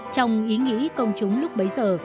trong ý nghĩ công chúng lúc bấy giờ